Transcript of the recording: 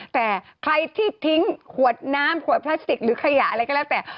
แต่ใครที่ทิ้งขวดน้ำขวดพลาสติกหรือขยะอะไรก็แล้วแต่